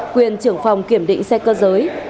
quyền trưởng phòng kiểm định xe cơ giới